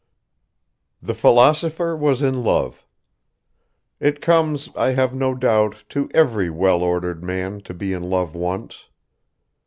The philosopher was in love. It comes, I have no doubt, to every well ordered man to be in love once.